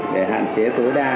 để hạn chế tối đa